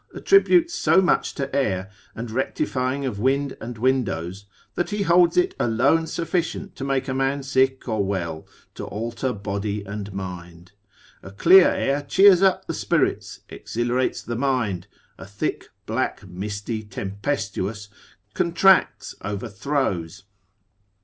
attributes so much to air, and rectifying of wind and windows, that he holds it alone sufficient to make a man sick or well; to alter body and mind. A clear air cheers up the spirits, exhilarates the mind; a thick, black, misty, tempestuous, contracts, overthrows.